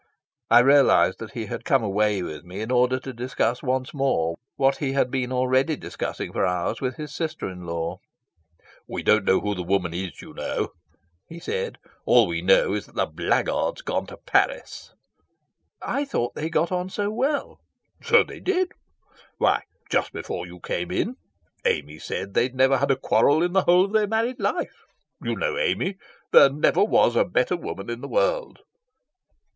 I realised that he had come away with me in order to discuss once more what he had been already discussing for hours with his sister in law. "We don't know who the woman is, you know," he said. "All we know is that the blackguard's gone to Paris." "I thought they got on so well." "So they did. Why, just before you came in Amy said they'd never had a quarrel in the whole of their married life. You know Amy. There never was a better woman in the world."